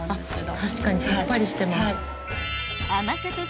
確かにさっぱりしてます。